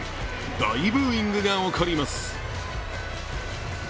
大ブーイングが起こります。